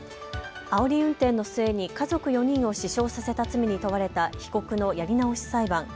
あおり運転の末に家族４人を死傷させた罪に問われた被告のやり直し裁判。